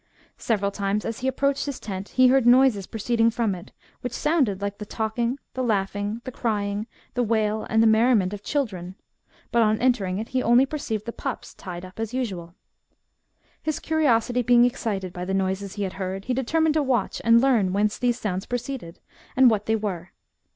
Several times, as he approached his tent, he heard noises proceeding from it, which sounded like the talk ing, the laughing, the crying, the wail, and the merriment of children ; but, on entering it, he only perceived the pups tied up as usual. His curiosity being excited by the noises he had heard, he determined to watch and learn whence these sounds proceeded, and what they were.